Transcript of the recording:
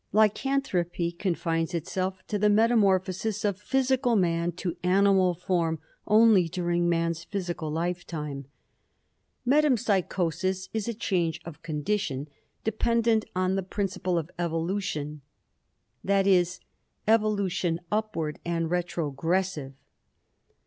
Lycanthropy confines itself to the metamorphosis of physical man to animal form only during man's physical lifetime. Metempsychosis is a change of condition dependent on the principle of evolution (i.e. evolution upward and retrogressive).